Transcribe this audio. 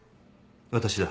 私だ。